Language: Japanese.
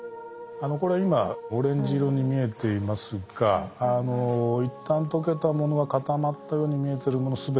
これ今オレンジ色に見えていますが一旦溶けたものが固まったように見えてるもの